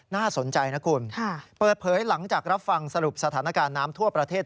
น่าสนใจนะคุณเปิดเผยหลังจากรับฟังสรุปสถานการณ์น้ำทั่วประเทศ